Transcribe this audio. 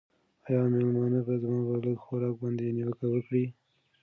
آیا مېلمانه به زما په لږ خوراک باندې نیوکه وکړي؟